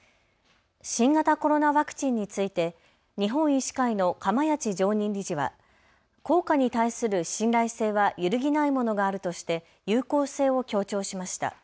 新型コロナワクチンについて日本医師会の釜萢常任理事は効果に対する信頼性は揺るぎないものがあるとして有効性を強調しました。